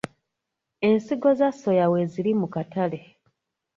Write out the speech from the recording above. Ensigo za soya weeziri mu katale.